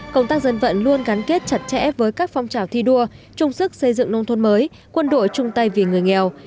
công tác dân vận luôn gắn kết chặt chẽ với các phong trào thi đua trung sức xây dựng nông thuận mới quân đội trung tay vì người nghèo